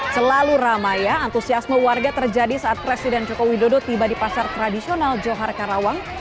selalu ramai ya antusiasme warga terjadi saat presiden joko widodo tiba di pasar tradisional johar karawang